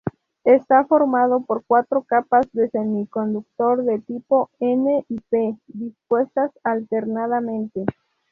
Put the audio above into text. Está formado por cuatro capas de semiconductor de tipo N y P, dispuestas alternadamente.